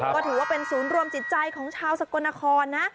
ก็ถือว่าเป็นศูนย์รวมจิตใจของชาวสกลนครนะ